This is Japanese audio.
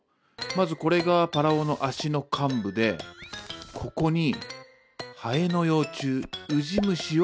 まずこれがパラオの足の患部でここにハエの幼虫ウジ虫を置いておく。